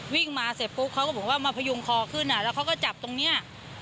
วิ่งมาเสร็จปุ๊บเขาก็บอกว่ามาพยุงคอขึ้นแล้วเขาก็จับตรงนี้